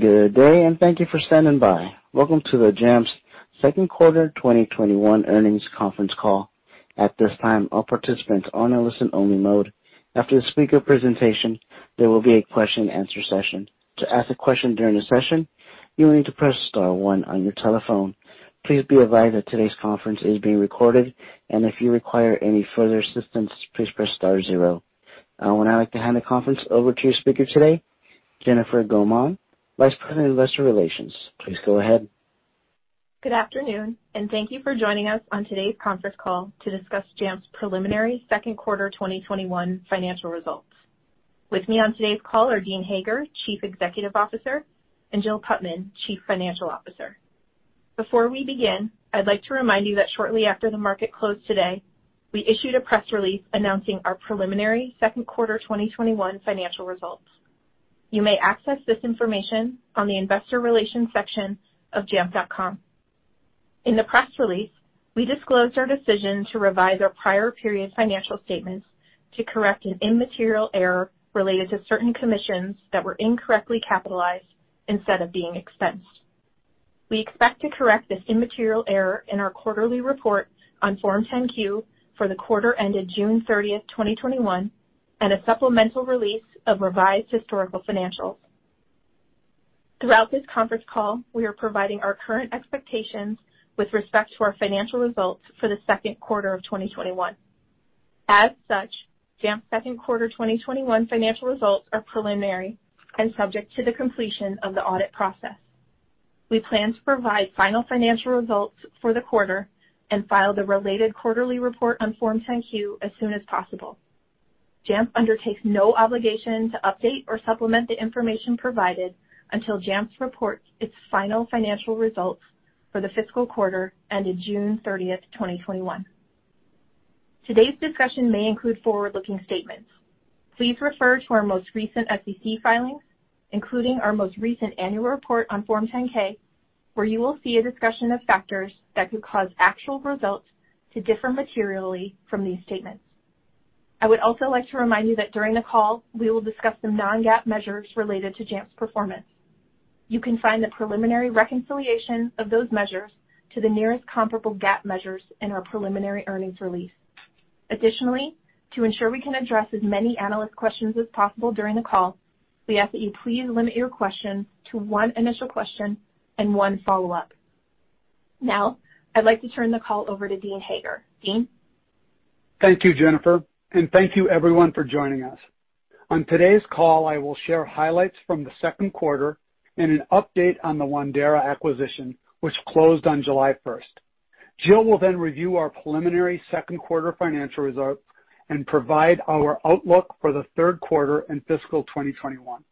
Good day, and thank you for standing by. Welcome to the Jamf second quarter 2021 earnings conference call. At this time, all participants are in a listen-only mode. After the speaker's presentation, there will be a question and answer session. To ask a question during the session, you will need to press star one on your telephone. Please be advised that today's conference is being recorded. And if you require any further assistance please press star zero. I would now like to hand the conference over to your speaker today, Jennifer Gaumond, Vice President of Investor Relations. Please go ahead. Good afternoon, and thank you for joining us on today's conference call to discuss Jamf's preliminary second quarter 2021 financial results. With me on today's call are Dean Hager, Chief Executive Officer, and Jill Putman, Chief Financial Officer. Before we begin, I'd like to remind you that shortly after the market closed today, we issued a press release announcing our preliminary second quarter 2021 financial results. You may access this information on the investor relations section of jamf.com. In the press release, we disclosed our decision to revise our prior period financial statements to correct an immaterial error related to certain commissions that were incorrectly capitalized instead of being expensed. We expect to correct this immaterial error in our quarterly report on Form 10-Q for the quarter ended June 30th, 2021, and a supplemental release of revised historical financials. Throughout this conference call, we are providing our current expectations with respect to our financial results for the second quarter of 2021. As such, Jamf second quarter 2021 financial results are preliminary and subject to the completion of the audit process. We plan to provide final financial results for the quarter and file the related quarterly report on Form 10-Q as soon as possible. Jamf undertakes no obligation to update or supplement the information provided until Jamf reports its final financial results for the fiscal quarter ended June 30th, 2021. Today's discussion may include forward-looking statements. Please refer to our most recent SEC filings, including our most recent annual report on Form 10-K, where you will see a discussion of factors that could cause actual results to differ materially from these statements. I would also like to remind you that during the call, we will discuss some non-GAAP measures related to Jamf's performance. You can find the preliminary reconciliation of those measures to the nearest comparable GAAP measures in our preliminary earnings release. Additionally, to ensure we can address as many analyst questions as possible during the call, we ask that you please limit your questions to one initial question and one follow-up. Now, I'd like to turn the call over to Dean Hager. Dean? Thank you, Jennifer, and thank you everyone for joining us. On today's call, I will share highlights from the second quarter and an update on the Wandera acquisition, which closed on July 1st. Jill will then review our preliminary second quarter financial results and provide our outlook for the third quarter in fiscal 2021.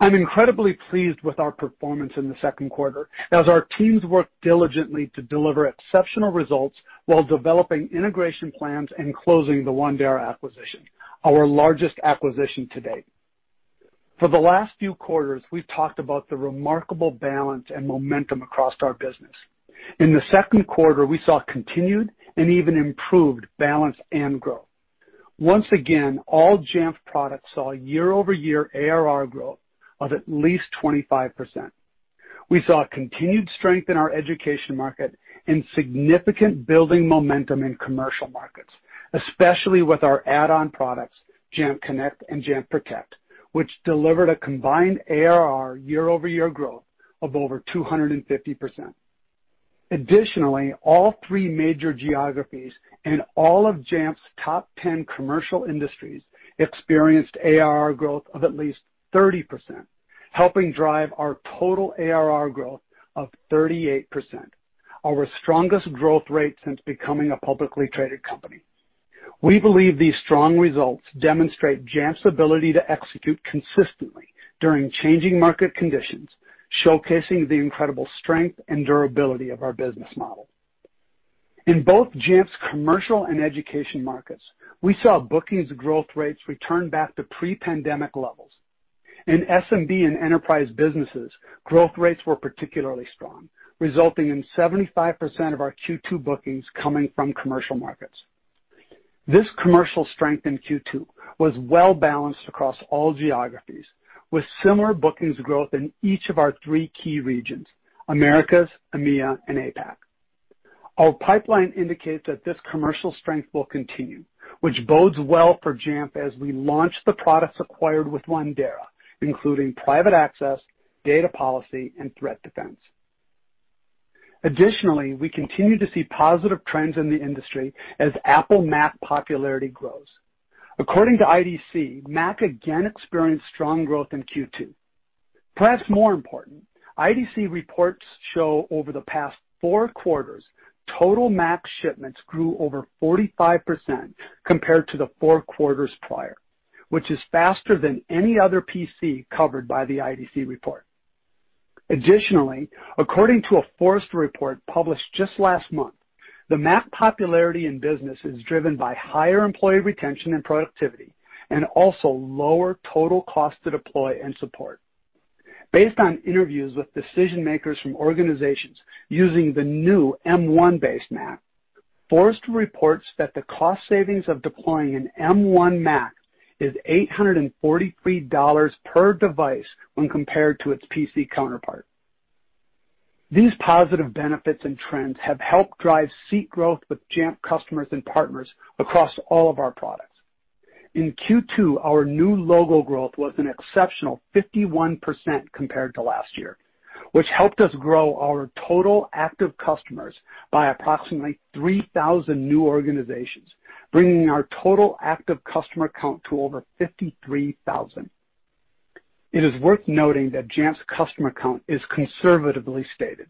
I'm incredibly pleased with our performance in the second quarter as our teams worked diligently to deliver exceptional results while developing integration plans and closing the Wandera acquisition, our largest acquisition to date. For the last few quarters, we've talked about the remarkable balance and momentum across our business. In the second quarter, we saw continued and even improved balance and growth. Once again, all Jamf products saw year-over-year ARR growth of at least 25%. We saw continued strength in our education market and significant building momentum in commercial markets, especially with our add-on products, Jamf Connect and Jamf Protect, which delivered a combined ARR year-over-year growth of over 250%. All three major geographies and all of Jamf's top 10 commercial industries experienced ARR growth of at least 30%, helping drive our total ARR growth of 38%, our strongest growth rate since becoming a publicly traded company. We believe these strong results demonstrate Jamf's ability to execute consistently during changing market conditions, showcasing the incredible strength and durability of our business model. In both Jamf's commercial and education markets, we saw bookings growth rates return back to pre-pandemic levels. In SMB and enterprise businesses, growth rates were particularly strong, resulting in 75% of our Q2 bookings coming from commercial markets. This commercial strength in Q2 was well-balanced across all geographies, with similar bookings growth in each of our three key regions, Americas, EMEA, and APAC. Our pipeline indicates that this commercial strength will continue, which bodes well for Jamf as we launch the products acquired with Wandera, including Private Access, Data Policy, and Threat Defense. Additionally, we continue to see positive trends in the industry as Apple Mac popularity grows. According to IDC, Mac again experienced strong growth in Q2. Perhaps more important, IDC reports show over the past four quarters, total Mac shipments grew over 45% compared to the four quarters prior, which is faster than any other PC covered by the IDC report. Additionally, according to a Forrester report published just last month, the Mac popularity in business is driven by higher employee retention and productivity and also lower total cost to deploy and support. Based on interviews with decision-makers from organizations using the new M1-based Mac, Forrester reports that the cost savings of deploying an M1 Mac is $843/device when compared to its PC counterpart. These positive benefits and trends have helped drive seat growth with Jamf customers and partners across all of our products. In Q2, our new logo growth was an exceptional 51% compared to last year, which helped us grow our total active customers by approximately 3,000 new organizations, bringing our total active customer count to over 53,000. It is worth noting that Jamf's customer count is conservatively stated.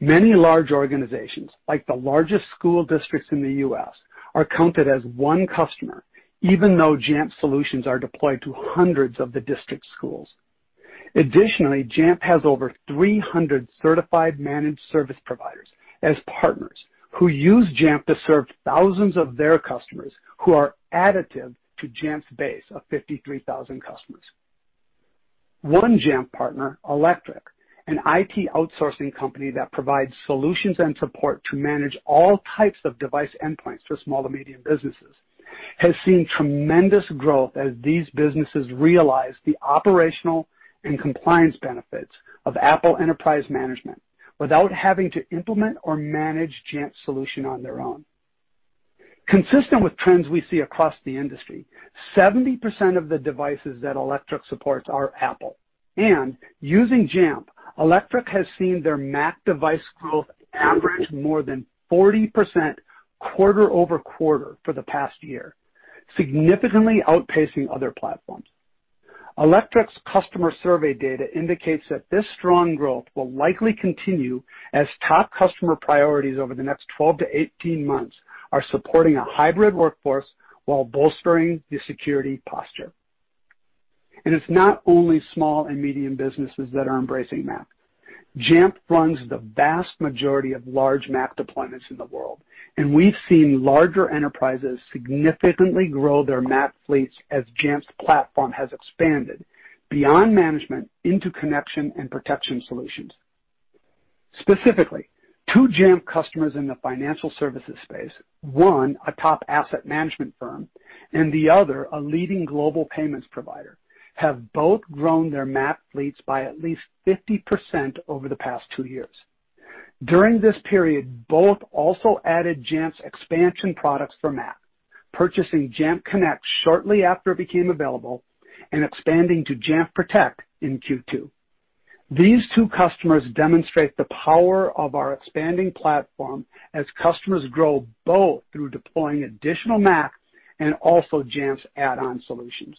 Many large organizations, like the largest school districts in the U.S., are counted as one customer, even though Jamf solutions are deployed to hundreds of the district schools. Additionally, Jamf has over 300 certified managed service providers as partners who use Jamf to serve thousands of their customers who are additive to Jamf's base of 53,000 customers. One Jamf partner, Electric, an IT outsourcing company that provides solutions and support to manage all types of device endpoints for small to medium businesses, has seen tremendous growth as these businesses realize the operational and compliance benefits of Apple enterprise management without having to implement or manage Jamf's solution on their own. Consistent with trends we see across the industry, 70% of the devices that Electric supports are Apple. Using Jamf, Electric has seen their Mac device growth average more than 40% quarter-over-quarter for the past year, significantly outpacing other platforms. Electric's customer survey data indicates that this strong growth will likely continue as top customer priorities over the next 12-18 months are supporting a hybrid workforce while bolstering the security posture. It's not only small and medium businesses that are embracing Mac. Jamf runs the vast majority of large Mac deployments in the world, and we've seen larger enterprises significantly grow their Mac fleets as Jamf's platform has expanded beyond management into connection and protection solutions. Specifically, two Jamf customers in the financial services space, one a top asset management firm and the other a leading global payments provider, have both grown their Mac fleets by at least 50% over the past two years. During this period, both also added Jamf's expansion products for Mac, purchasing Jamf Connect shortly after it became available and expanding to Jamf Protect in Q2. These two customers demonstrate the power of our expanding platform as customers grow both through deploying additional Macs and also Jamf's add-on solutions.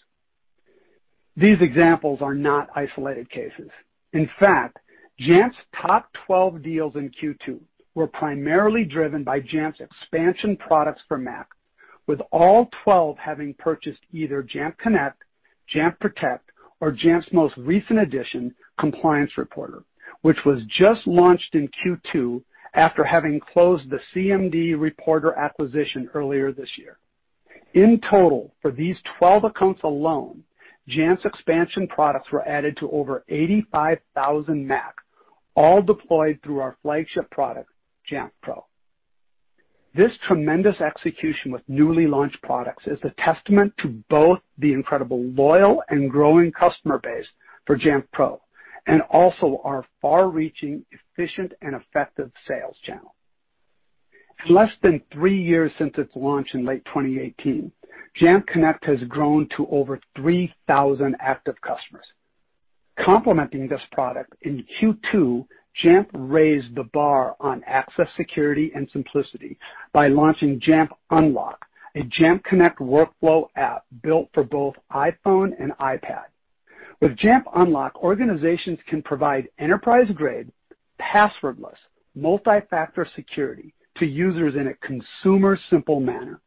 These examples are not isolated cases. In fact, Jamf's top 12 deals in Q2 were primarily driven by Jamf's expansion products for Mac, with all 12 having purchased either Jamf Connect, Jamf Protect, or Jamf's most recent addition, Compliance Reporter, which was just launched in Q2 after having closed the cmdReporter acquisition earlier this year. In total, for these 12 accounts alone, Jamf's expansion products were added to over 85,000 Mac, all deployed through our flagship product, Jamf Pro. This tremendous execution with newly launched products is a testament to both the incredible loyal and growing customer base for Jamf Pro and also our far-reaching, efficient, and effective sales channel. In less than three years since its launch in late 2018, Jamf Connect has grown to over 3,000 active customers. Complementing this product, in Q2, Jamf raised the bar on access security and simplicity by launching Jamf Unlock, a Jamf Connect workflow app built for both iPhone and iPad. With Jamf Unlock, organizations can provide enterprise-grade, passwordless, multi-factor security to users in a consumer-simple manner.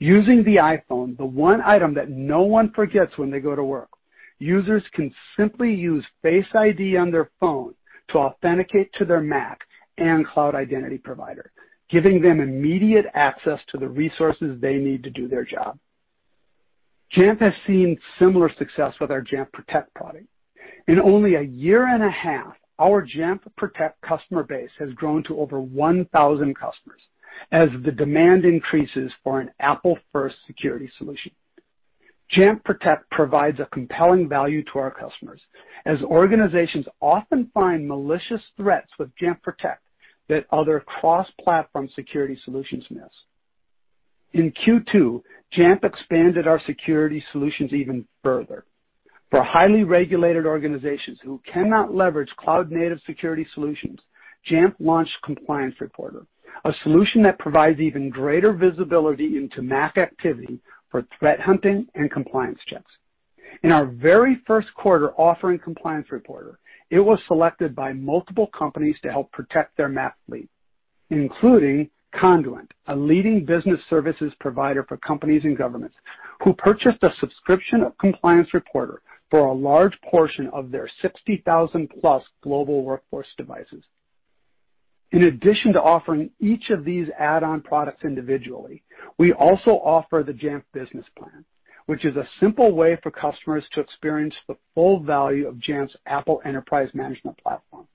Using the iPhone, the one item that no one forgets when they go to work, users can simply use Face ID on their phone to authenticate to their Mac and cloud identity provider, giving them immediate access to the resources they need to do their job. Jamf has seen similar success with our Jamf Protect product. In only a year and a half, our Jamf Protect customer base has grown to over 1,000 customers as the demand increases for an Apple-first security solution. Jamf Protect provides a compelling value to our customers as organizations often find malicious threats with Jamf Protect that other cross-platform security solutions miss. In Q2, Jamf expanded our security solutions even further. For highly regulated organizations who cannot leverage cloud-native security solutions, Jamf launched Compliance Reporter, a solution that provides even greater visibility into Mac activity for threat hunting and compliance checks. In our very first quarter offering Compliance Reporter, it was selected by multiple companies to help protect their Mac fleet, including Conduent, a leading business services provider for companies and governments, who purchased a subscription of Compliance Reporter for a large portion of their 60,000-plus global workforce devices. In addition to offering each of these add-on products individually, we also offer the Jamf Business Plan, which is a simple way for customers to experience the full value of Jamf's Apple Enterprise Management Platform.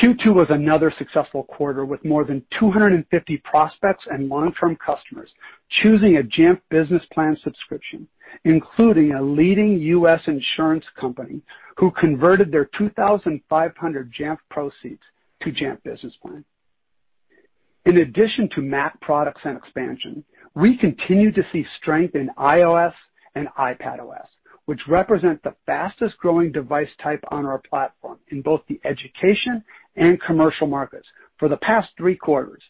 Q2 was another successful quarter, with more than 250 prospects and long-term customers choosing a Jamf Business Plan subscription, including a leading U.S. insurance company who converted their 2,500 Jamf Pro seats to Jamf Business Plan. In addition to Mac products and expansion, we continue to see strength in iOS and iPadOS, which represent the fastest-growing device type on our platform in both the education and commercial markets for the past three quarters.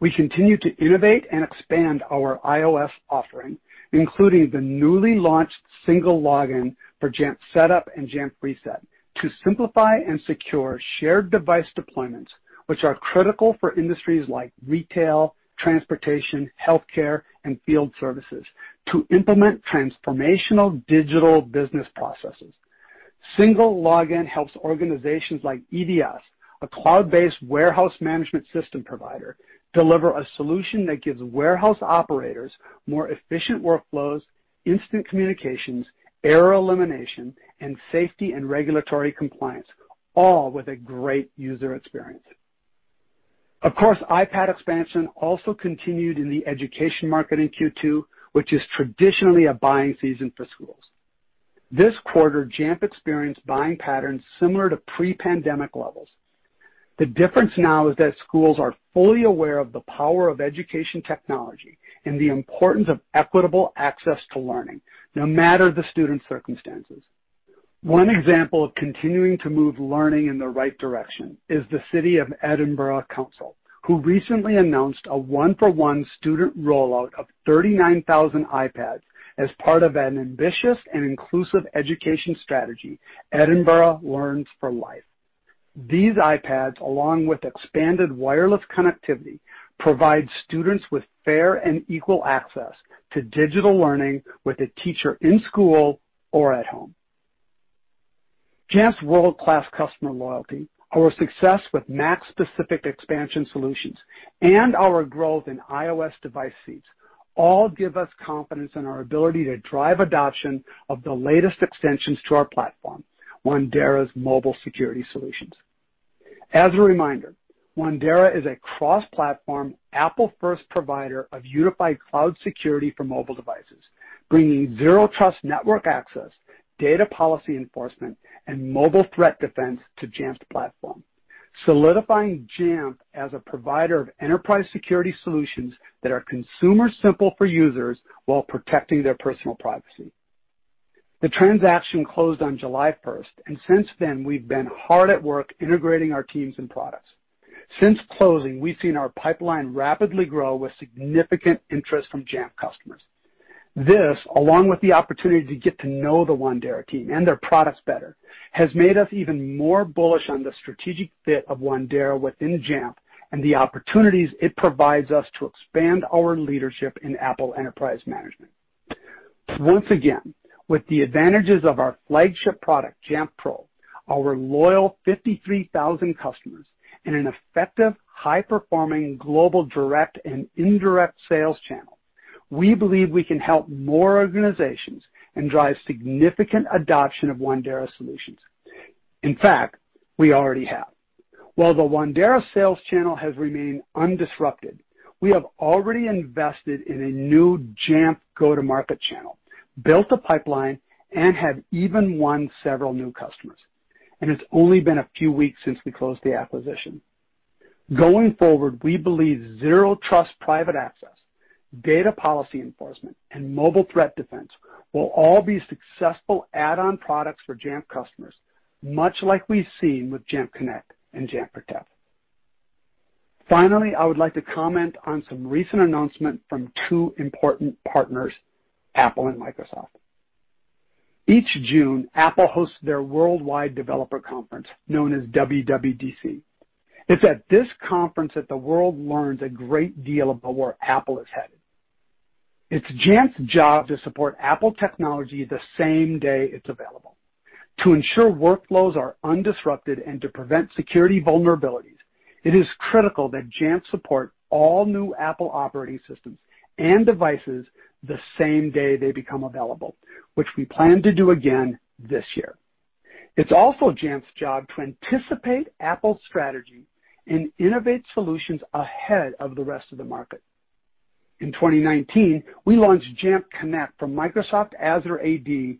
We continue to innovate and expand our iOS offering, including the newly launched single login for Jamf Setup and Jamf Reset to simplify and secure shared device deployments, which are critical for industries like retail, transportation, healthcare, and field services to implement transformational digital business processes. Single login helps organizations like EDS, a cloud-based warehouse management system provider, deliver a solution that gives warehouse operators more efficient workflows, instant communications, error elimination, and safety and regulatory compliance, all with a great user experience. Of course, iPad expansion also continued in the education market in Q2, which is traditionally a buying season for schools. This quarter, Jamf experienced buying patterns similar to pre-pandemic levels. The difference now is that schools are fully aware of the power of education technology and the importance of equitable access to learning, no matter the student's circumstances. One example of continuing to move learning in the right direction is the City of Edinburgh Council, who recently announced a one-for-one student rollout of 39,000 iPads as part of an ambitious and inclusive education strategy, Edinburgh Learns for Life. These iPads, along with expanded wireless connectivity, provide students with fair and equal access to digital learning with a teacher in school or at home. Jamf's world-class customer loyalty, our success with Mac-specific expansion solutions, and our growth in iOS device seats all give us confidence in our ability to drive adoption of the latest extensions to our platform, Wandera's mobile security solutions. As a reminder, Wandera is a cross-platform, Apple-first provider of unified cloud security for mobile devices, bringing zero-trust network access, data policy enforcement, and mobile threat defense to Jamf's platform, solidifying Jamf as a provider of enterprise security solutions that are consumer-simple for users while protecting their personal privacy. The transaction closed on July 1st. Since then, we've been hard at work integrating our teams and products. Since closing, we've seen our pipeline rapidly grow with significant interest from Jamf customers. This, along with the opportunity to get to know the Wandera team and their products better, has made us even more bullish on the strategic fit of Wandera within Jamf and the opportunities it provides us to expand our leadership in Apple Enterprise Management. Once again, with the advantages of our flagship product, Jamf Pro, our loyal 53,000 customers, and an effective, high-performing global direct and indirect sales channel, we believe we can help more organizations and drive significant adoption of Wandera solutions. In fact, we already have. While the Wandera sales channel has remained undisrupted, we have already invested in a new Jamf go-to-market channel, built a pipeline, and have even won several new customers. It's only been a few weeks since we closed the acquisition. Going forward, we believe zero-trust Private Access, Data Policy enforcement, and mobile Threat Defense will all be successful add-on products for Jamf customers, much like we've seen with Jamf Connect and Jamf Protect. Finally, I would like to comment on some recent announcement from two important partners, Apple and Microsoft. Each June, Apple hosts their Worldwide Developers Conference, known as WWDC. It's at this conference that the world learns a great deal about where Apple is headed. It's Jamf's job to support Apple technology the same day it's available. To ensure workflows are undisrupted and to prevent security vulnerabilities, it is critical that Jamf support all new Apple operating systems and devices the same day they become available, which we plan to do again this year. It's also Jamf's job to anticipate Apple's strategy and innovate solutions ahead of the rest of the market. In 2019, we launched Jamf Connect for Microsoft Azure AD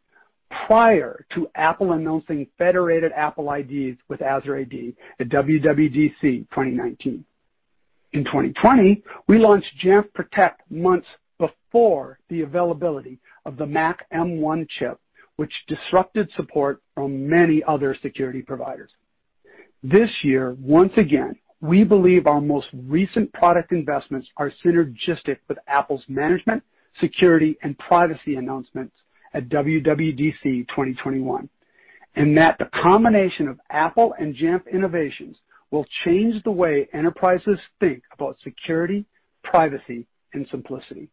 prior to Apple announcing federated Apple IDs with Azure AD at WWDC 2019. In 2020, we launched Jamf Protect months before the availability of the Mac M1 chip, which disrupted support from many other security providers. This year, once again, we believe our most recent product investments are synergistic with Apple's management, security, and privacy announcements at WWDC 2021 and that the combination of Apple and Jamf innovations will change the way enterprises think about security, privacy, and simplicity.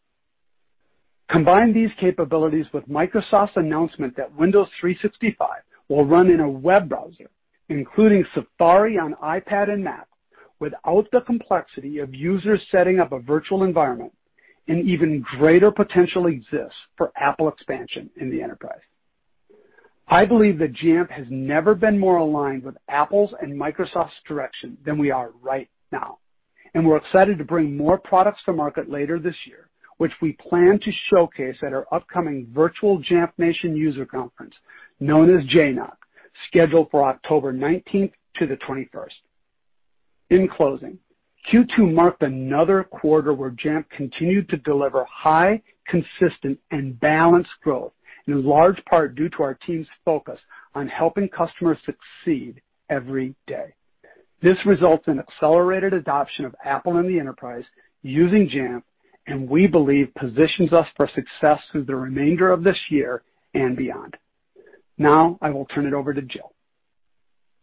Combine these capabilities with Microsoft's announcement that Windows 365 will run in a web browser, including Safari on iPad and Mac, without the complexity of users setting up a virtual environment, and even greater potential exists for Apple expansion in the enterprise. I believe that Jamf has never been more aligned with Apple's and Microsoft's direction than we are right now, and we're excited to bring more products to market later this year, which we plan to showcase at our upcoming virtual Jamf Nation User Conference, known as JNUC, scheduled for October 19th to the 21st. In closing, Q2 marked another quarter where Jamf continued to deliver high, consistent, and balanced growth in large part due to our team's focus on helping customers succeed every day. This results in accelerated adoption of Apple in the enterprise using Jamf and we believe positions us for success through the remainder of this year and beyond. Now, I will turn it over to Jill.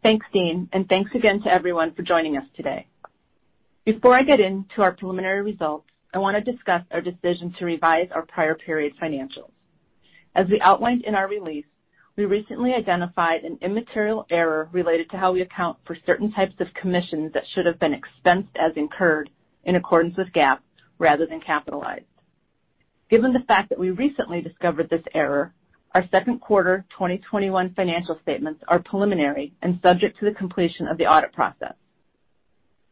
Thanks, Dean, and thanks again to everyone for joining us today. Before I get into our preliminary results, I want to discuss our decision to revise our prior period financials. As we outlined in our release, we recently identified an immaterial error related to how we account for certain types of commissions that should have been expensed as incurred in accordance with GAAP rather than capitalized. Given the fact that we recently discovered this error, our second quarter 2021 financial statements are preliminary and subject to the completion of the audit process.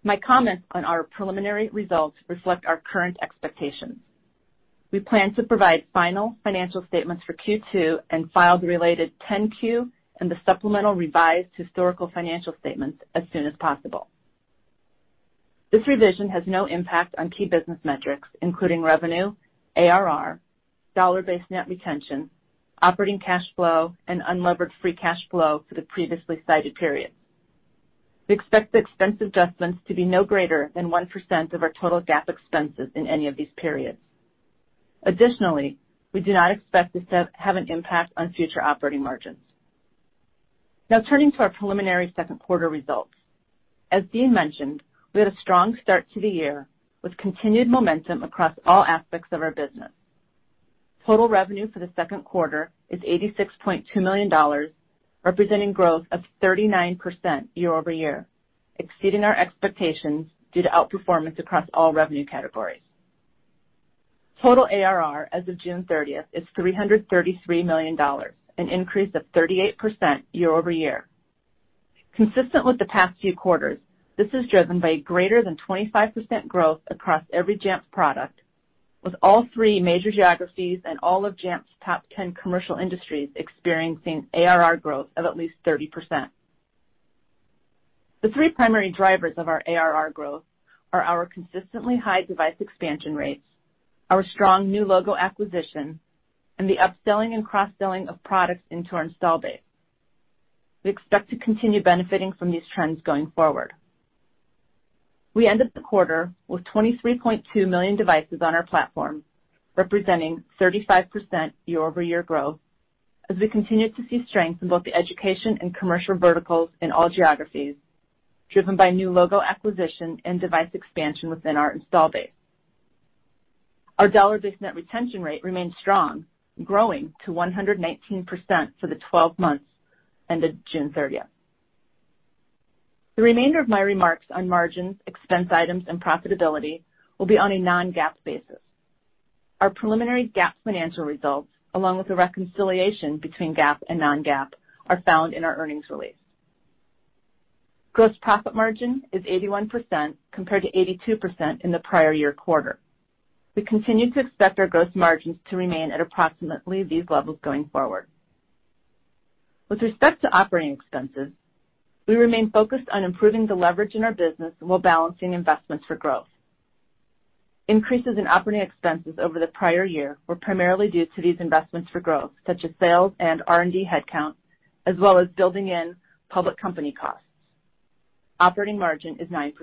My comments on our preliminary results reflect our current expectations. We plan to provide final financial statements for Q2 and file the related 10-Q and the supplemental revised historical financial statements as soon as possible. This revision has no impact on key business metrics, including revenue, ARR, dollar-based net retention, operating cash flow, and unlevered free cash flow for the previously cited periods. We expect the expense adjustments to be no greater than 1% of our total GAAP expenses in any of these periods. Additionally, we do not expect this to have an impact on future operating margins. Now turning to our preliminary second quarter results. As Dean mentioned, we had a strong start to the year with continued momentum across all aspects of our business. Total revenue for the second quarter is $86.2 million, representing growth of 39% year-over-year, exceeding our expectations due to outperformance across all revenue categories. Total ARR as of June 30th is $333 million, an increase of 38% year-over-year. Consistent with the past few quarters, this is driven by greater than 25% growth across every Jamf product, with all three major geographies and all of Jamf's top 10 commercial industries experiencing ARR growth of at least 30%. The three primary drivers of our ARR growth are our consistently high device expansion rates, our strong new logo acquisition, and the upselling and cross-selling of products into our install base. We expect to continue benefiting from these trends going forward. We ended the quarter with 23.2 million devices on our platform, representing 35% year-over-year growth as we continued to see strength in both the education and commercial verticals in all geographies, driven by new logo acquisition and device expansion within our install base. Our dollar-based net retention rate remains strong, growing to 119% for the 12 months ended June 30th. The remainder of my remarks on margins, expense items, and profitability will be on a non-GAAP basis. Our preliminary GAAP financial results, along with the reconciliation between GAAP and non-GAAP, are found in our earnings release. Gross profit margin is 81% compared to 82% in the prior year quarter. We continue to expect our gross margins to remain at approximately these levels going forward. With respect to operating expenses, we remain focused on improving the leverage in our business while balancing investments for growth. Increases in operating expenses over the prior year were primarily due to these investments for growth, such as sales and R&D headcount, as well as building in public company costs. Operating margin is 9%.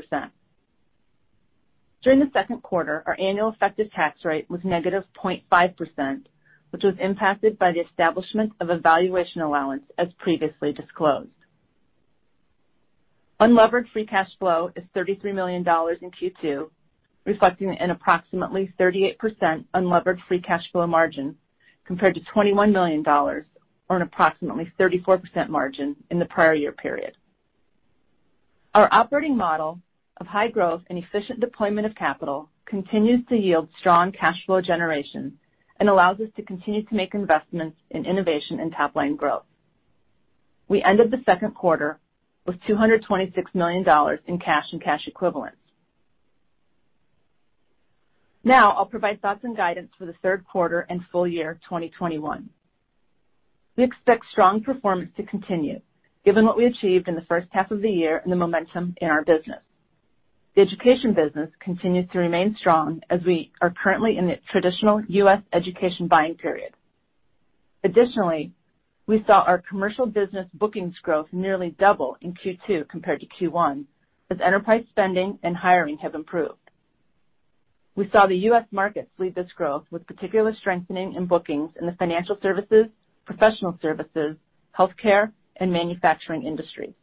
During the second quarter, our annual effective tax rate was negative 0.5%, which was impacted by the establishment of a valuation allowance, as previously disclosed. Unlevered free cash flow is $33 million in Q2, reflecting an approximately 38% unlevered free cash flow margin, compared to $21 million, or an approximately 34% margin in the prior year period. Our operating model of high growth and efficient deployment of capital continues to yield strong cash flow generation and allows us to continue to make investments in innovation and top-line growth. We ended the second quarter with $226 million in cash and cash equivalents. Now I'll provide thoughts and guidance for the third quarter and full year 2021. We expect strong performance to continue given what we achieved in the first half of the year and the momentum in our business. The education business continues to remain strong as we are currently in the traditional U.S. education buying period. Additionally, we saw our commercial business bookings growth nearly double in Q2 compared to Q1 as enterprise spending and hiring have improved. We saw the U.S. market lead this growth with particular strengthening in bookings in the financial services, professional services, healthcare, and manufacturing industries.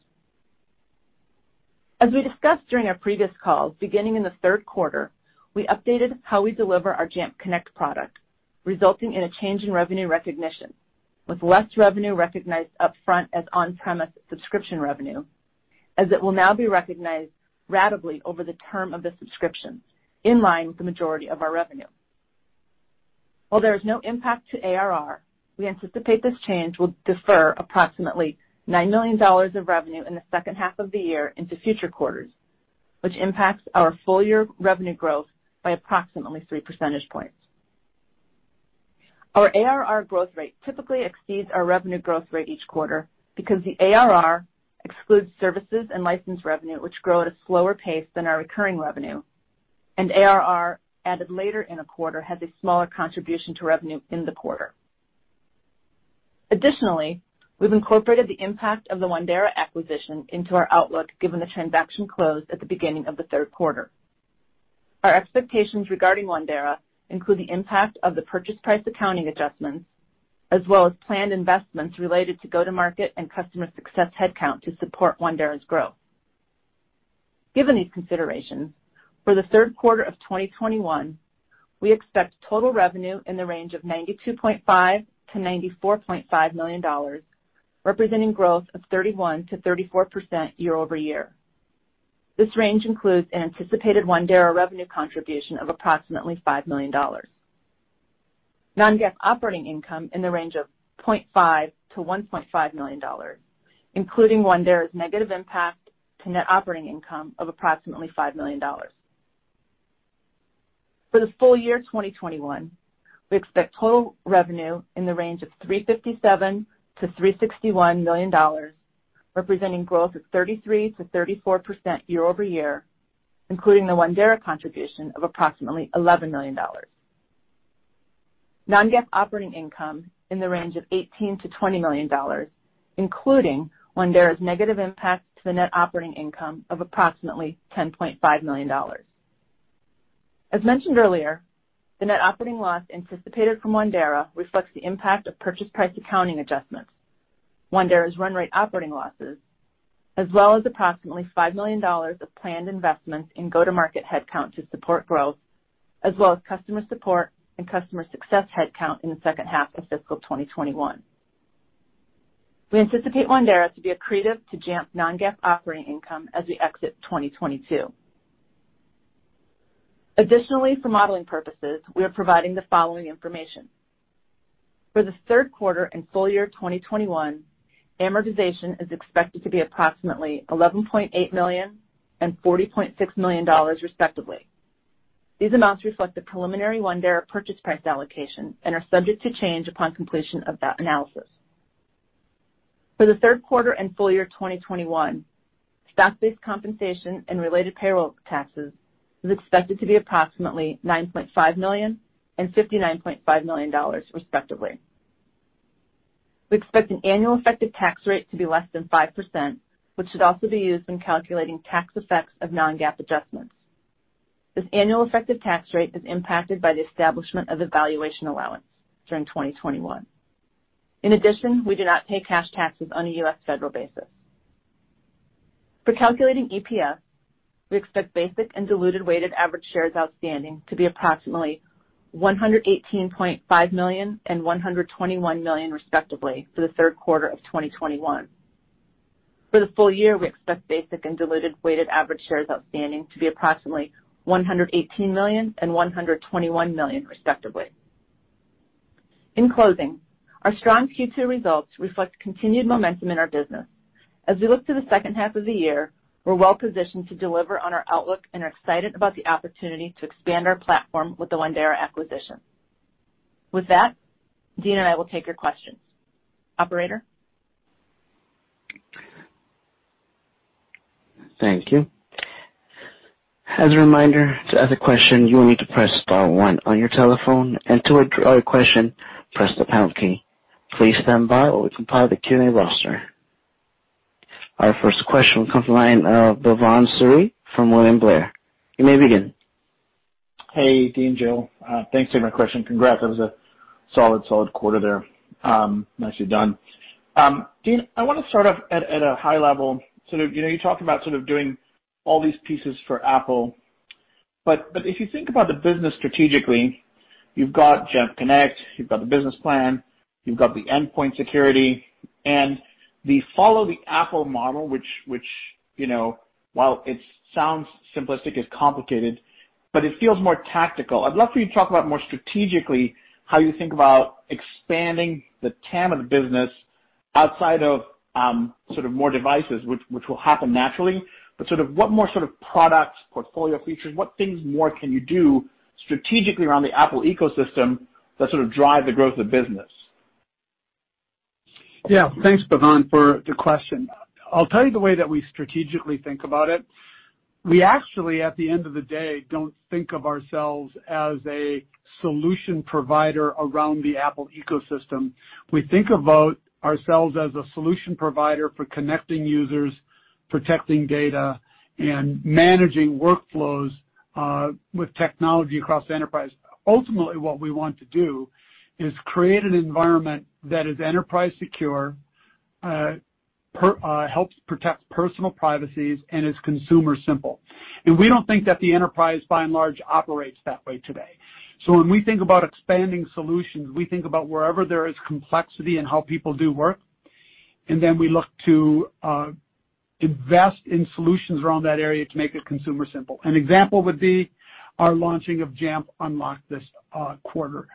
We discussed during our previous call, beginning in the third quarter, we updated how we deliver our Jamf Connect product, resulting in a change in revenue recognition, with less revenue recognized upfront as on-premise subscription revenue, as it will now be recognized ratably over the term of the subscription, in line with the majority of our revenue. While there is no impact to ARR, we anticipate this change will defer approximately $9 million of revenue in the second half of the year into future quarters, which impacts our full-year revenue growth by approximately three percentage points. Our ARR growth rate typically exceeds our revenue growth rate each quarter because the ARR excludes services and license revenue, which grow at a slower pace than our recurring revenue, and ARR added later in a quarter has a smaller contribution to revenue in the quarter. Additionally, we've incorporated the impact of the Wandera acquisition into our outlook, given the transaction close at the beginning of the third quarter. Our expectations regarding Wandera include the impact of the purchase price accounting adjustments, as well as planned investments related to go-to-market and customer success headcount to support Wandera's growth. Given these considerations, for the third quarter of 2021, we expect total revenue in the range of $92.5 million-$94.5 million, representing growth of 31%-34% year-over-year. This range includes an anticipated Wandera revenue contribution of approximately $5 million. Non-GAAP operating income in the range of $0.5 million-$1.5 million, including Wandera's negative impact to net operating income of approximately $5 million. For the full year 2021, we expect total revenue in the range of $357 million-$361 million, representing growth of 33%-34% year-over-year, including the Wandera contribution of approximately $11 million. Non-GAAP operating income in the range of $18 million-$20 million, including Wandera's negative impact to the net operating income of approximately $10.5 million. As mentioned earlier, the net operating loss anticipated from Wandera reflects the impact of purchase price accounting adjustments, Wandera's run rate operating losses, as well as approximately $5 million of planned investments in go-to-market headcount to support growth, as well as customer support and customer success headcount in the second half of fiscal 2021. We anticipate Wandera to be accretive to Jamf non-GAAP operating income as we exit 2022. Additionally, for modeling purposes, we are providing the following information. For the third quarter and full year 2021, amortization is expected to be approximately $11.8 million and $40.6 million, respectively. These amounts reflect the preliminary Wandera purchase price allocation and are subject to change upon completion of that analysis. For the third quarter and full year 2021, stock-based compensation and related payroll taxes is expected to be approximately $9.5 million and $59.5 million, respectively. We expect an annual effective tax rate to be less than 5%, which should also be used when calculating tax effects of non-GAAP adjustments. This annual effective tax rate is impacted by the establishment of a valuation allowance during 2021. In addition, we do not pay cash taxes on a U.S. federal basis. For calculating EPS, we expect basic and diluted weighted average shares outstanding to be approximately $118.5 million and $121 million, respectively, for the third quarter of 2021. For the full year, we expect basic and diluted weighted average shares outstanding to be approximately $118 million and $121 million, respectively. In closing, our strong Q2 results reflect continued momentum in our business. As we look to the second half of the year, we're well positioned to deliver on our outlook and are excited about the opportunity to expand our platform with the Wandera acquisition. With that, Dean and I will take your questions. Operator? Thank you. As a reminder, to ask a question, you will need to press star one on your telephone, and to withdraw your question, press the pound key. Please stand by while we compile the Q&A roster. Our first question will come from the line of Bhavan Suri from William Blair. You may begin. Hey, Dean, Jill. Thanks for taking my question. Congrats. That was a solid quarter there. Nicely done. Dean, I want to start off at a high level. You talked about doing all these pieces for Apple. If you think about the business strategically, you've got Jamf Connect, you've got the business plan, you've got the endpoint security, and the follow the Apple model, which while it sounds simplistic, is complicated, but it feels more tactical. I'd love for you to talk about more strategically how you think about expanding the TAM of the business outside of more devices, which will happen naturally. What more sort of products, portfolio features, what things more can you do strategically around the Apple ecosystem that drive the growth of the business? Thanks, Bhavan, for the question. I'll tell you the way that we strategically think about it. We actually, at the end of the day, don't think of ourselves as a solution provider around the Apple ecosystem. We think about ourselves as a solution provider for connecting users, protecting data, and managing workflows with technology across enterprise. Ultimately, what we want to do is create an environment that is enterprise secure helps protect personal privacies and is consumer simple. We don't think that the enterprise by and large operates that way today. When we think about expanding solutions, we think about wherever there is complexity in how people do work, and then we look to invest in solutions around that area to make it consumer simple. An example would be our launching of Jamf Unlock this quarter.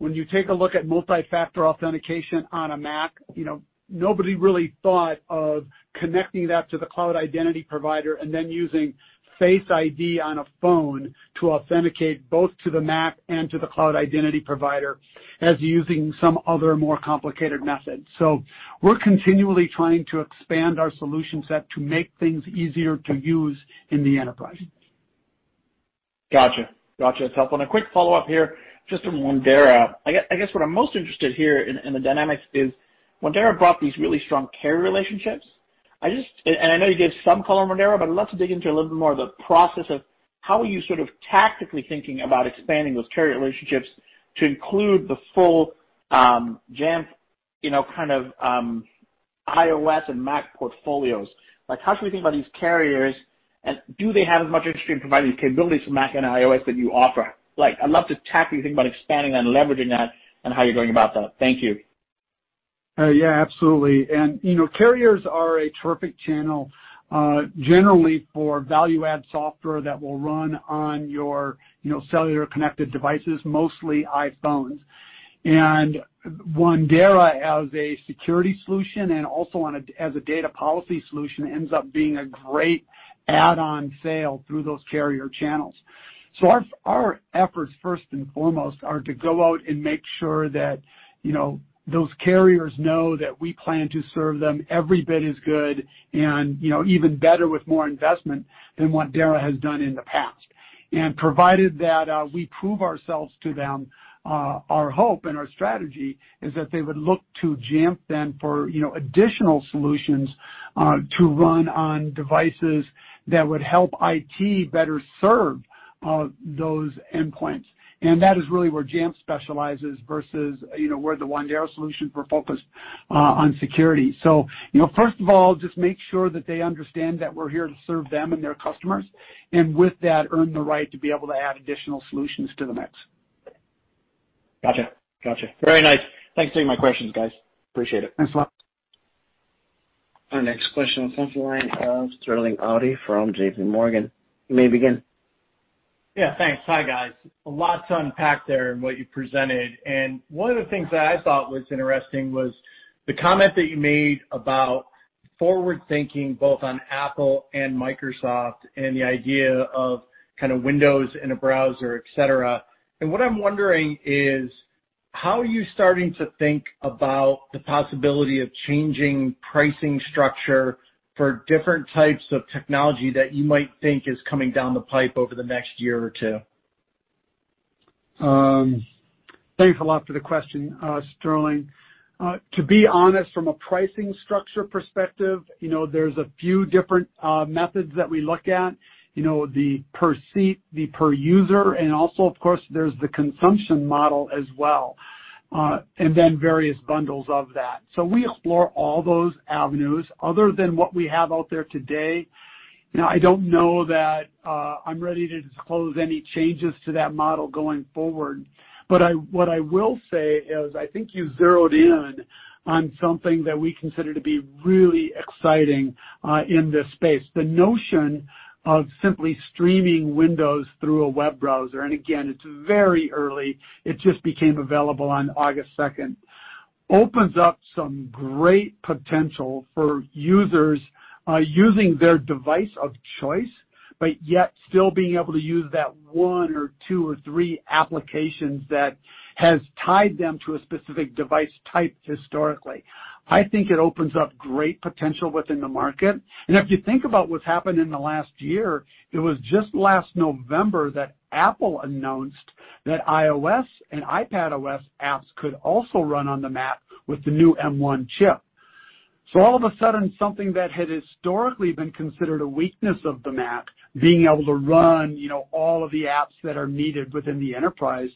When you take a look at multi-factor authentication on a Mac, nobody really thought of connecting that to the cloud identity provider and then using Face ID on a phone to authenticate both to the Mac and to the cloud identity provider as using some other, more complicated method. We're continually trying to expand our solution set to make things easier to use in the enterprise. Got you. That's helpful. A quick follow-up here, just on Wandera. I guess what I'm most interested here in the dynamics is Wandera brought these really strong carrier relationships. I know you gave some color on Wandera, but I'd love to dig into a little bit more of the process of how are you sort of tactically thinking about expanding those carrier relationships to include the full Jamf kind of iOS and Mac portfolios. How should we think about these carriers, and do they have as much interest in providing these capabilities for Mac and iOS that you offer? I'd love to tap what you think about expanding that and leveraging that and how you're going about that. Thank you. Yeah, absolutely. Carriers are a terrific channel, generally for value-add software that will run on your cellular-connected devices, mostly iPhones. Wandera, as a security solution and also as a Data Policy solution, ends up being a great add-on sale through those carrier channels. Our efforts, first and foremost, are to go out and make sure that those carriers know that we plan to serve them every bit as good and even better with more investment than Wandera has done in the past. Provided that we prove ourselves to them, our hope and our strategy is that they would look to Jamf then for additional solutions to run on devices that would help IT better serve those endpoints. That is really where Jamf specializes versus where the Wandera solutions were focused on security. First of all, just make sure that they understand that we're here to serve them and their customers, and with that, earn the right to be able to add additional solutions to the mix. Got you. Very nice. Thanks for taking my questions, guys. Appreciate it. Thanks a lot. Our next question comes from the line of Sterling Auty from JPMorgan. You may begin. Yeah, thanks. Hi, guys. A lot to unpack there in what you presented. One of the things that I thought was interesting was the comment that you made about forward-thinking, both on Apple and Microsoft, and the idea of kind of Windows in a browser, et cetera. What I'm wondering is, how are you starting to think about the possibility of changing pricing structure for different types of technology that you might think is coming down the pipe over the next year or two? Thanks a lot for the question, Sterling. To be honest, from a pricing structure perspective, there's a few different methods that we look at. The per seat, the per user, and also, of course, there's the consumption model as well, and then various bundles of that. We explore all those avenues. Other than what we have out there today, I don't know that I'm ready to disclose any changes to that model going forward. What I will say is, I think you zeroed in on something that we consider to be really exciting in this space. The notion of simply streaming Windows through a web browser, and again, it's very early, it just became available on August 2nd, opens up some great potential for users using their device of choice, but yet still being able to use that one or two or three applications that has tied them to a specific device type historically. I think it opens up great potential within the market. If you think about what's happened in the last year, it was just last November that Apple announced that iOS and iPadOS apps could also run on the Mac with the new M1 chip. All of a sudden, something that had historically been considered a weakness of the Mac, being able to run all of the apps that are needed within the enterprise,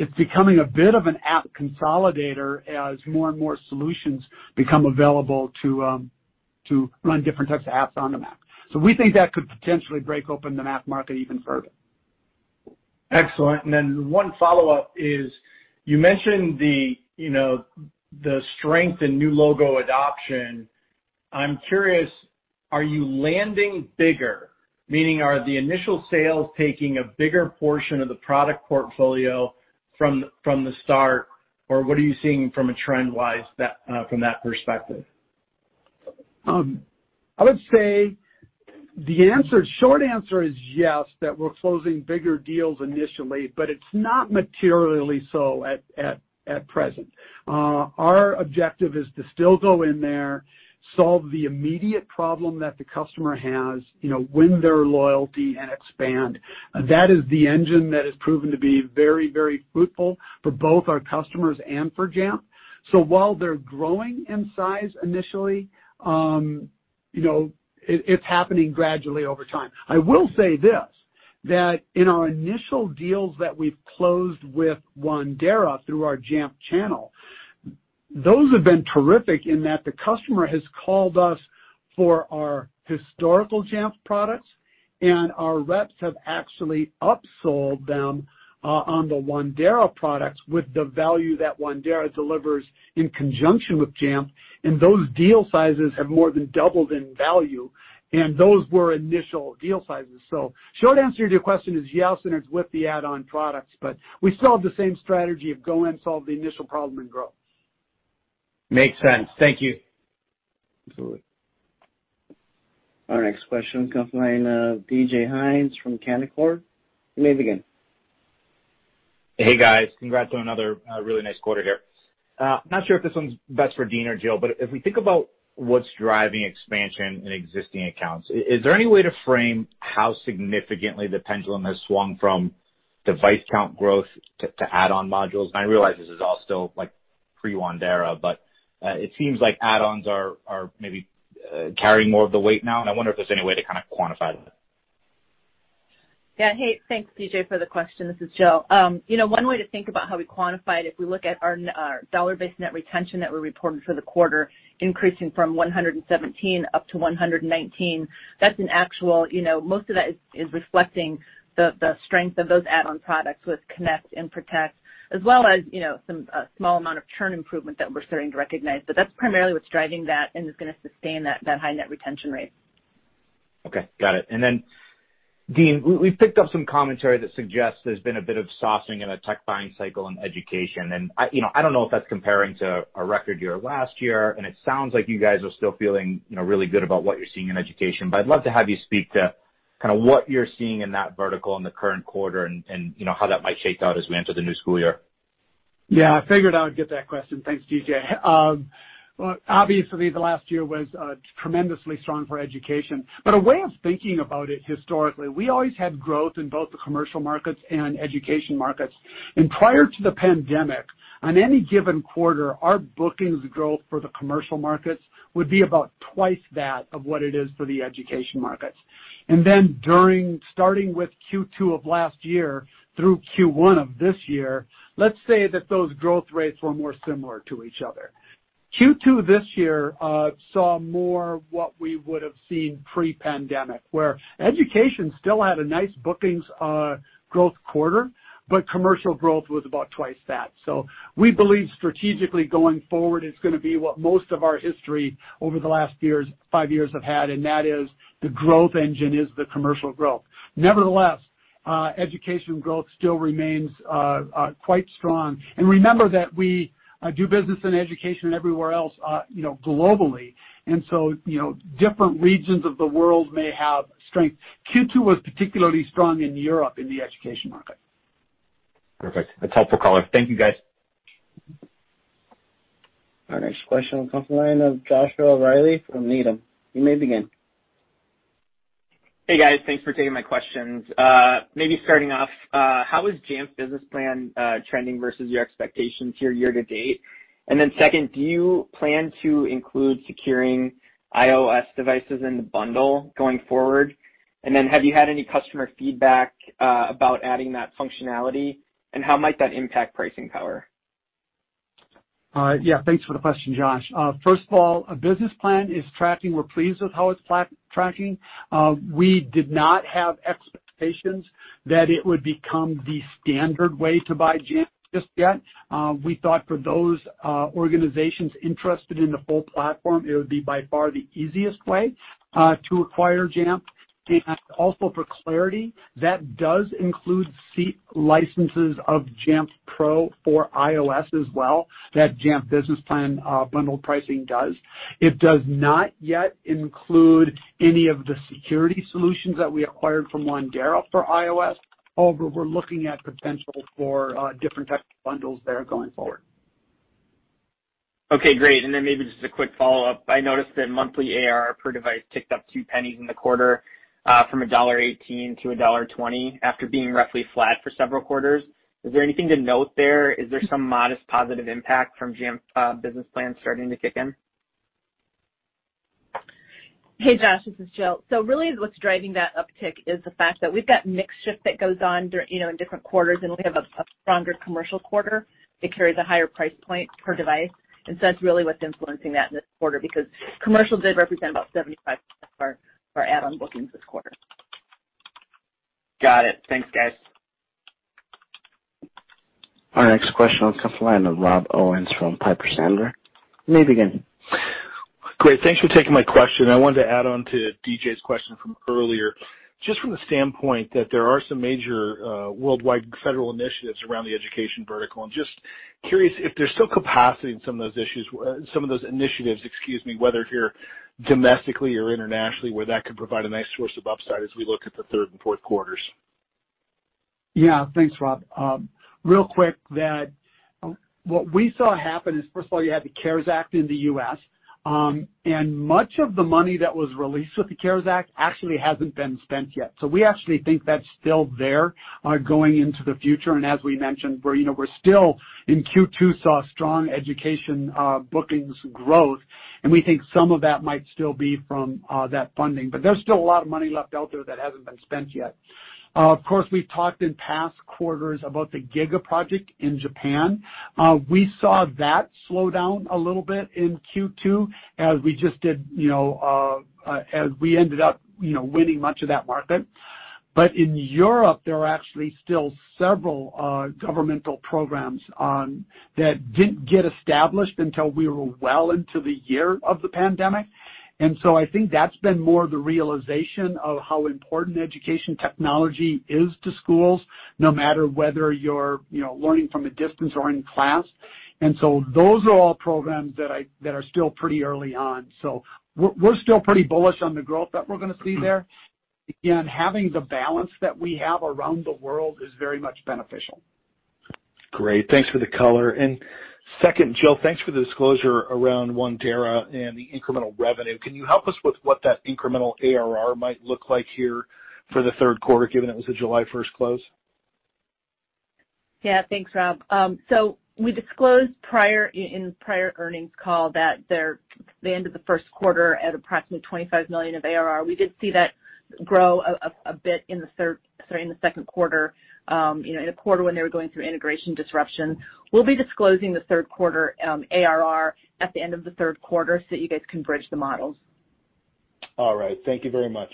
it's becoming a bit of an app consolidator as more and more solutions become available to run different types of apps on the Mac. We think that could potentially break open the Mac market even further. Excellent. One follow-up is, you mentioned the strength in new logo adoption. I'm curious, are you landing bigger? Meaning, are the initial sales taking a bigger portion of the product portfolio from the start, or what are you seeing from a trend-wise from that perspective? I would say the short answer is yes, that we're closing bigger deals initially, but it's not materially so at present. Our objective is to still go in there, solve the immediate problem that the customer has, win their loyalty, and expand. That is the engine that has proven to be very, very fruitful for both our customers and for Jamf. While they're growing in size initially. It's happening gradually over time. I will say this, that in our initial deals that we've closed with Wandera through our Jamf channel, those have been terrific in that the customer has called us for our historical Jamf products, and our reps have actually upsold them on the Wandera products with the value that Wandera delivers in conjunction with Jamf, and those deal sizes have more than doubled in value, and those were initial deal sizes. Short answer to your question is yes, and it's with the add-on products, but we still have the same strategy of go in, solve the initial problem, and grow. Makes sense. Thank you. Absolutely. Our next question comes from the line of DJ Hynes from Canaccord. You may begin. Hey, guys. Congrats on another really nice quarter there. Not sure if this one's best for Dean or Jill, but if we think about what's driving expansion in existing accounts, is there any way to frame how significantly the pendulum has swung from device count growth to add-on modules? I realize this is all still pre-Wandera, but it seems like add-ons are maybe carrying more of the weight now, and I wonder if there's any way to kind of quantify that. Hey, thanks, DJ, for the question. This is Jill. One way to think about how we quantify it, if we look at our dollar-based net retention that we reported for the quarter increasing from 117% up to 119%, that's an actual you know, most of that is reflecting the strength of those add-on products with Connect and Protect, as well as some small amount of churn improvement that we're starting to recognize. That's primarily what's driving that and is going to sustain that high net retention rate. Okay. Got it. Dean, we've picked up some commentary that suggests there's been a bit of softening in the tech buying cycle in education, and I don't know if that's comparing to a record year last year, and it sounds like you guys are still feeling really good about what you're seeing in education, but I'd love to have you speak to what you're seeing in that vertical in the current quarter and how that might shake out as we enter the new school year. Yeah, I figured I would get that question. Thanks, DJ. Obviously, the last year was tremendously strong for education. A way of thinking about it historically, we always had growth in both the commercial markets and education markets. Prior to the pandemic, on any given quarter, our bookings growth for the commercial markets would be about 2x that of what it is for the education markets. Starting with Q2 of last year through Q1 of this year, let's say that those growth rates were more similar to each other. Q2 this year saw more what we would've seen pre-pandemic, where education still had a nice bookings growth quarter, but commercial growth was about 2x that. We believe strategically going forward, it's going to be what most of our history over the last five years have had, and that is the growth engine is the commercial growth. Nevertheless, education growth still remains quite strong. Remember that we do business in education and everywhere else globally, and so different regions of the world may have strength. Q2 was particularly strong in Europe in the education market. Perfect. That's helpful color. Thank you, guys. Our next question comes from the line of Joshua Reilly from Needham. You may begin. Hey, guys. Thanks for taking my questions. Maybe starting off, how is Jamf Business Plan trending versus your expectations here year to date? Second, do you plan to include securing iOS devices in the bundle going forward? Have you had any customer feedback about adding that functionality, and how might that impact pricing power? Yeah, thanks for the question, Josh. First of all, Business Plan is tracking. We're pleased with how it's tracking. We did not have expectations that it would become the standard way to buy Jamf just yet. We thought for those organizations interested in the full platform, it would be by far the easiest way to acquire Jamf. Also for clarity, that does include seat licenses of Jamf Pro for iOS as well, that Jamf Business Plan bundled pricing does. It does not yet include any of the security solutions that we acquired from Wandera for iOS, although we're looking at potential for different types of bundles there going forward. Okay, great. Maybe just a quick follow-up. I noticed that monthly ARR per device ticked up $0.02 in the quarter, from $1.18-$1.20 after being roughly flat for several quarters. Is there anything to note there? Is there some modest positive impact from Jamf Business Plan starting to kick in? Hey, Josh. This is Jill. Really what's driving that uptick is the fact that we've got mix shift that goes on in different quarters, and we have a stronger commercial quarter. It carries a higher price point per device, and so that's really what's influencing that in this quarter, because commercial did represent about 75% of our add-on bookings this quarter. Got it. Thanks, guys. Our next question comes from the line of Rob Owens from Piper Sandler. You may begin. Great. Thanks for taking my question. I wanted to add on to DJ's question from earlier, just from the standpoint that there are some major worldwide federal initiatives around the education vertical. I'm just curious if there's still capacity in some of those initiatives, whether here domestically or internationally, where that could provide a nice source of upside as we look at the third and fourth quarters. Yeah, thanks Rob. Real quick, what we saw happen is, 1st of all, you had the CARES Act in the U.S., and much of the money that was released with the CARES Act actually hasn't been spent yet. We actually think that's still there going into the future, and as we mentioned, we're still in Q2, saw strong education bookings growth, and we think some of that might still be from that funding. There's still a lot of money left out there that hasn't been spent yet. Of course, we've talked in past quarters about the GIGA project in Japan. We saw that slow down a little bit in Q2 as we ended up winning much of that market. In Europe, there are actually still several governmental programs that didn't get established until we were well into the year of the pandemic. I think that's been more the realization of how important education technology is to schools, no matter whether you're learning from a distance or in class. Those are all programs that are still pretty early on. We're still pretty bullish on the growth that we're going to see there. Again, having the balance that we have around the world is very much beneficial. Great. Thanks for the color. Second, Jill, thanks for the disclosure around Wandera and the incremental revenue. Can you help us with what that incremental ARR might look like here for the third quarter, given it was a July 1st close? Yeah. Thanks, Rob. We disclosed in prior earnings call that they ended the first quarter at approximately $25 million of ARR. We did see that grow a bit in the second quarter, in a quarter when they were going through integration disruption. We'll be disclosing the third quarter ARR at the end of the third quarter so that you guys can bridge the models. All right. Thank you very much.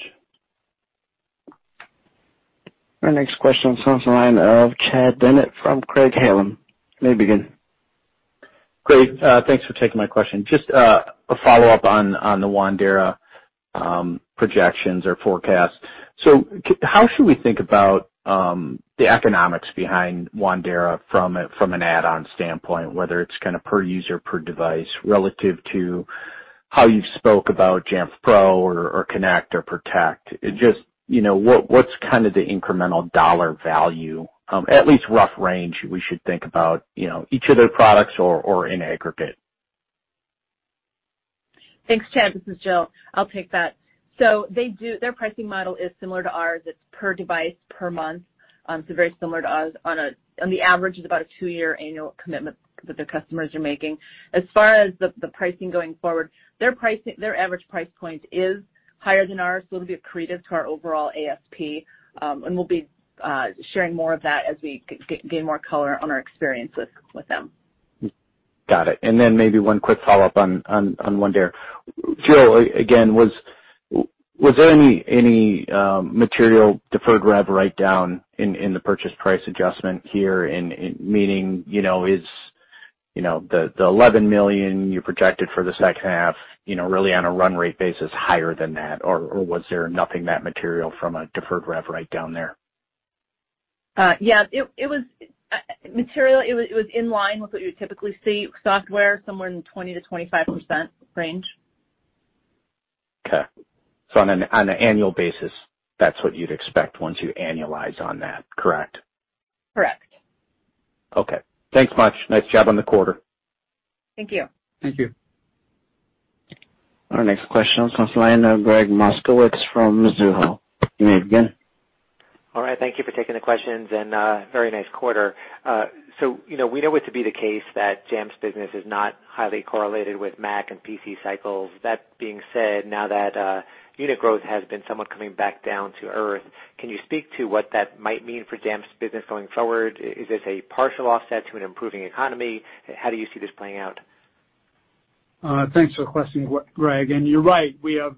Our next question comes from the line of Chad Bennett from Craig-Hallum. You may begin. Great. Thanks for taking my question. Just a follow-up on the Wandera projections or forecast. How should we think about the economics behind Wandera from an add-on standpoint, whether it's kind of per user, per device, relative to how you spoke about Jamf Pro or Connect or Protect? Just what's kind of the incremental dollar value, at least rough range we should think about, each of their products or in aggregate? Thanks, Chad. This is Jill. I'll take that. Their pricing model is similar to ours. It's per device per month. Very similar to us. On the average, it's about a two-year annual commitment that the customers are making. As far as the pricing going forward, their average price point is higher than ours, so it'll be accretive to our overall ASP, and we'll be sharing more of that as we gain more color on our experience with them. Got it. Maybe one quick follow-up on Wandera. Jill, again, was there any material deferred rev write-down in the purchase price adjustment here? Meaning, is the $11 million you projected for the second half really on a run rate basis higher than that? Or was there nothing that material from a deferred rev write-down there? Yeah. Material, it was in line with what you would typically see with software, somewhere in the 20%-25% range. Okay. On an annual basis, that's what you'd expect once you annualize on that, correct? Correct. Okay. Thanks much. Nice job on the quarter. Thank you. Thank you. Our next question comes from the line of Gregg Moskowitz from Mizuho. You may begin. All right. Thank you for taking the questions, and very nice quarter. We know it to be the case that Jamf's business is not highly correlated with Mac and PC cycles. That being said, now that unit growth has been somewhat coming back down to earth, can you speak to what that might mean for Jamf's business going forward? Is this a partial offset to an improving economy? How do you see this playing out? Thanks for the question, Gregg. You're right. We have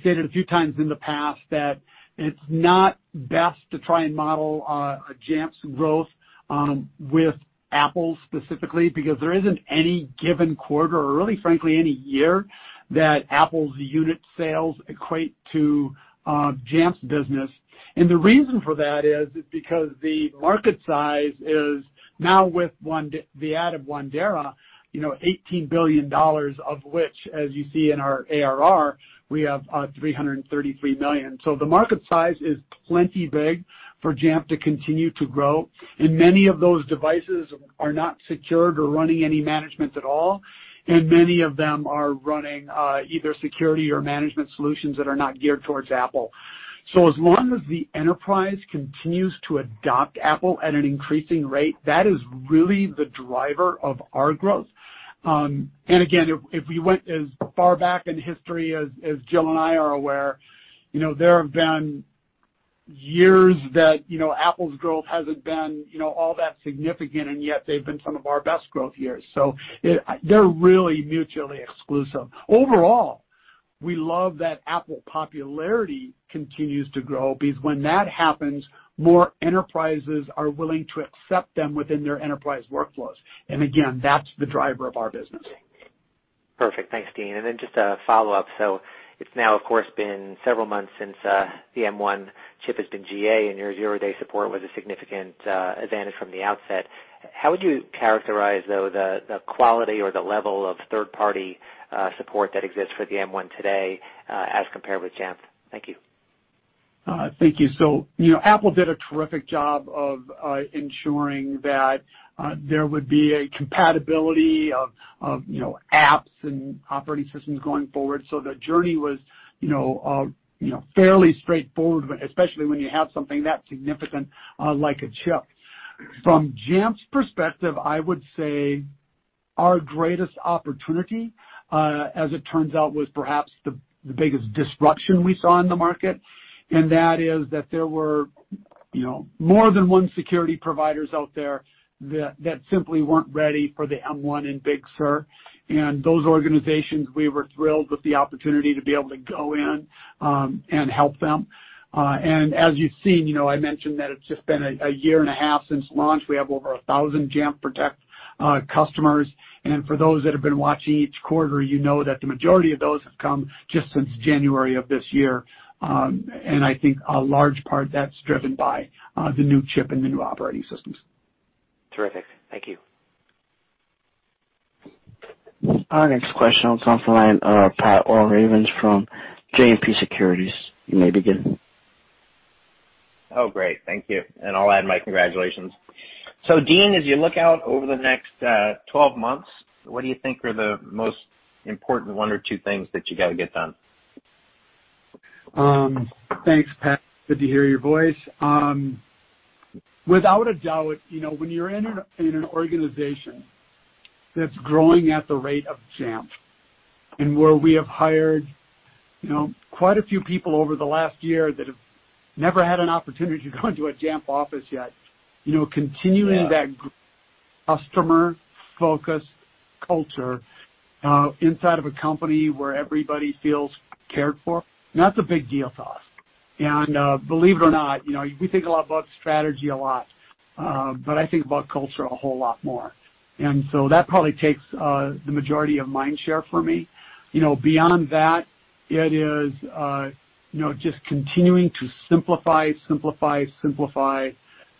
stated a few times in the past that it's not best to try and model Jamf's growth with Apple specifically, because there isn't any given quarter, or really frankly any year, that Apple's unit sales equate to Jamf's business. The reason for that is because the market size is now with the add of Wandera, $18 billion, of which, as you see in our ARR, we have $333 million. The market size is plenty big for Jamf to continue to grow, and many of those devices are not secured or running any management at all, and many of them are running either security or management solutions that are not geared towards Apple. As long as the enterprise continues to adopt Apple at an increasing rate, that is really the driver of our growth. Again, if we went as far back in history as Jill and I are aware, there have been years that Apple's growth hasn't been all that significant, and yet they've been some of our best growth years. They're really mutually exclusive. Overall, we love that Apple popularity continues to grow, because when that happens, more enterprises are willing to accept them within their enterprise workflows. Again, that's the driver of our business. Perfect. Thanks, Dean. Then just a follow-up. It's now, of course, been several months since the M1 chip has been GA, and your zero-day support was a significant advantage from the outset. How would you characterize, though, the quality or the level of third-party support that exists for the M1 today as compared with Jamf? Thank you. Thank you. Apple did a terrific job of ensuring that there would be a compatibility of apps and operating systems going forward. The journey was fairly straightforward, especially when you have something that significant, like a chip. From Jamf's perspective, I would say our greatest opportunity, as it turns out, was perhaps the biggest disruption we saw in the market. That is that there were more than one security providers out there that simply weren't ready for the M1 and Big Sur. Those organizations, we were thrilled with the opportunity to be able to go in and help them. As you've seen, I mentioned that it's just been a year and a half since launch. We have over 1,000 Jamf Protect customers. For those that have been watching each quarter, you know that the majority of those have come just since January of this year. I think a large part of that's driven by the new chip and the new operating systems. Terrific. Thank you. Our next question comes from the line. Pat Walravens from JMP Securities. You may begin. Oh, great. Thank you. I'll add my congratulations. Dean, as you look out over the next 12 months, what do you think are the most important one or two things that you got to get done? Thanks, Pat. Good to hear your voice. Without a doubt, when you're in an organization that's growing at the rate of Jamf and where we have hired quite a few people over the last year that have never had an opportunity to go into a Jamf office yet, continuing that customer-focused culture inside of a company where everybody feels cared for, that's a big deal to us. Believe it or not, we think about strategy a lot, but I think about culture a whole lot more. That probably takes the majority of mind share for me. Beyond that, it is just continuing to simplify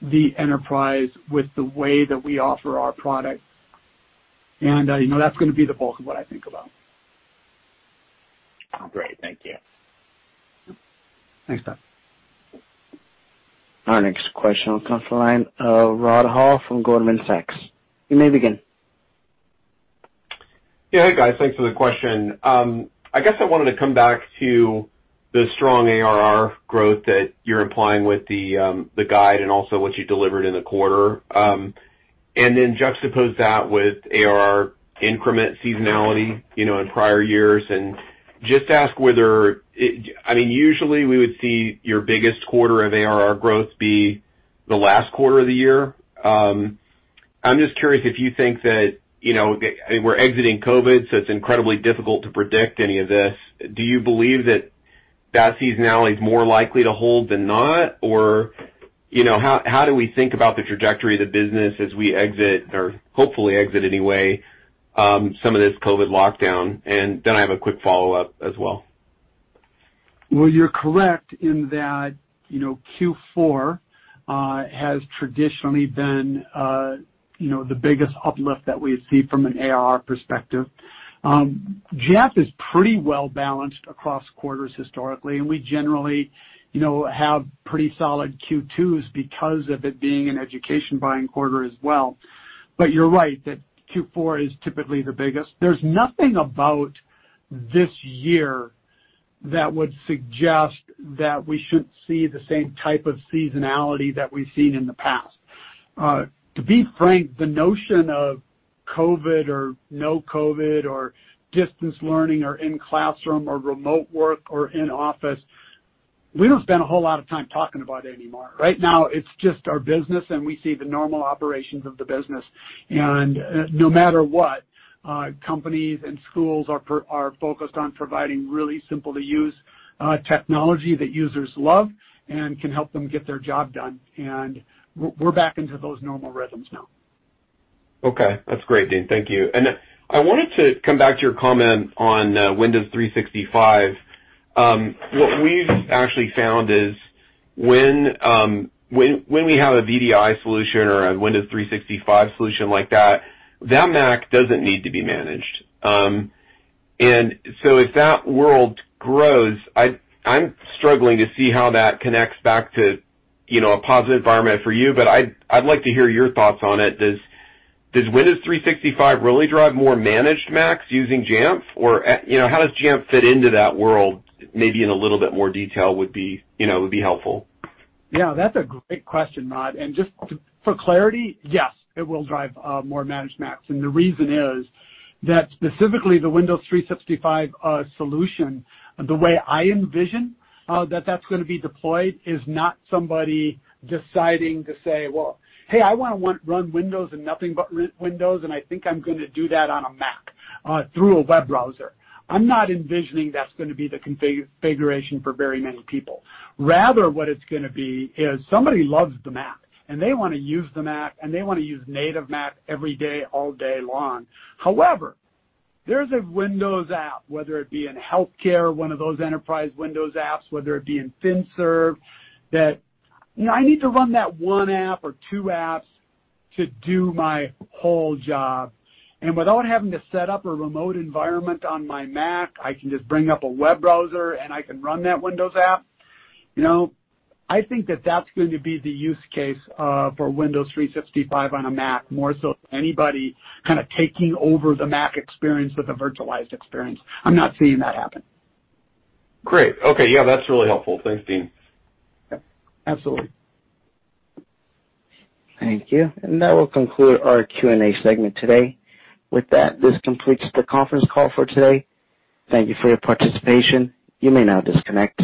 the enterprise with the way that we offer our product. That's going to be the bulk of what I think about. Great. Thank you. Thanks, Pat. Our next question comes from the line of Rod Hall from Goldman Sachs. You may begin. Hey, guys. Thanks for the question. I guess I wanted to come back to the strong ARR growth that you're implying with the guide and also what you delivered in the quarter. Then juxtapose that with ARR increment seasonality in prior years. Just ask whether usually, we would see your biggest quarter of ARR growth be the last quarter of the year. I'm just curious if you think that we're exiting COVID, so it's incredibly difficult to predict any of this. Do you believe that seasonality is more likely to hold than not? How do we think about the trajectory of the business as we exit, or hopefully exit anyway, some of this COVID lockdown? Then I have a quick follow-up as well. Well, you're correct in that Q4 has traditionally been the biggest uplift that we see from an ARR perspective. Jamf is pretty well-balanced across quarters historically, and we generally have pretty solid Q2s because of it being an education buying quarter as well. You're right that Q4 is typically the biggest. There's nothing about this year that would suggest that we shouldn't see the same type of seasonality that we've seen in the past. To be frank, the notion of COVID or no COVID, or distance learning, or in classroom, or remote work, or in-office, we don't spend a whole lot of time talking about it anymore. Right now, it's just our business, and we see the normal operations of the business. No matter what, companies and schools are focused on providing really simple-to-use technology that users love and can help them get their job done. We're back into those normal rhythms now. Okay. That's great, Dean. Thank you. I wanted to come back to your comment on Windows 365. What we've actually found is when we have a VDI solution or a Windows 365 solution like that Mac doesn't need to be managed. If that world grows, I'm struggling to see how that connects back to a positive environment for you. I'd like to hear your thoughts on it. Does Windows 365 really drive more managed Macs using Jamf? How does Jamf fit into that world? Maybe in a little bit more detail would be helpful. Yeah, that's a great question, Rod. Just for clarity, yes, it will drive more managed Macs. The reason is that specifically the Windows 365 solution, the way I envision that's going to be deployed, is not somebody deciding to say, "Well, hey, I want to run Windows and nothing but Windows, and I think I'm going to do that on a Mac through a web browser." I'm not envisioning that's going to be the configuration for very many people. Rather, what it's going to be is somebody loves the Mac, and they want to use the Mac, and they want to use native Mac every day, all day long. However, there's a Windows app, whether it be in healthcare, one of those enterprise Windows apps, whether it be in FinServ, that I need to run that one app or two apps to do my whole job. Without having to set up a remote environment on my Mac, I can just bring up a web browser, and I can run that Windows app. I think that's going to be the use case for Windows 365 on a Mac, more so than anybody kind of taking over the Mac experience with a virtualized experience. I'm not seeing that happen. Great. Okay. Yeah, that's really helpful. Thanks, Dean. Yeah. Absolutely. Thank you. That will conclude our Q&A segment today. With that, this completes the conference call for today. Thank you for your participation. You may now disconnect.